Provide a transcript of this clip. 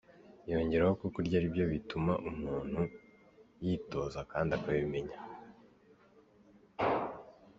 Yongeraho ko kurya ari ibyo umuntu yitoza kandi akabimenya.